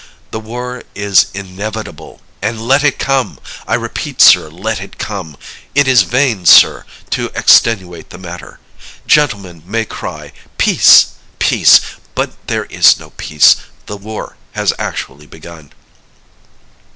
The war is inevitable and let it come! I repeat it, sir, let it come! It is vain, sir, to extenuate the matter. Gentlemen may cry, Peace! peace, but there is no peace. The war has actually begun.